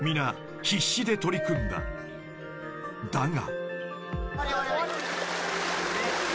［だが］